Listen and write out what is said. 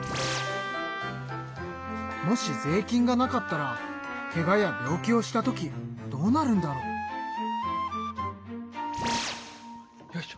もし税金がなかったらけがや病気をした時どうなるんだろう？よいしょ。